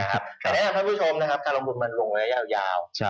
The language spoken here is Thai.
คุณผู้ชมนะครับการลงบุตรมันลงแล้วยาว